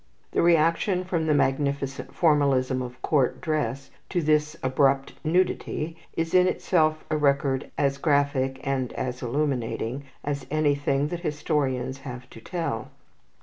The reaction from the magnificent formalism of court dress to this abrupt nudity is in itself a record as graphic and as illuminating as anything that historians have to tell.